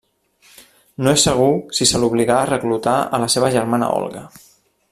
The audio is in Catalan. No és segur si se l'obligà a reclutar a la seva germana Olga.